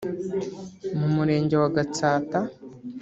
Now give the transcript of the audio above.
mu Murenge wa Gatsata